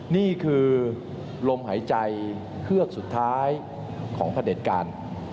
นี่คือลมหายใจเฮือกสุดท้ายของพระเด็จการ